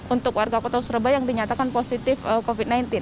untuk warga kota surabaya yang dinyatakan positif covid sembilan belas